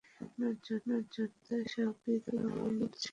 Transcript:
আপনার যোদ্ধা সাহাবীরা আমাকে ধরে এনেছে।